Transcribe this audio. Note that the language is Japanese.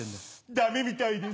ダメみたいです。